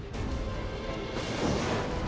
สวัสดีครับ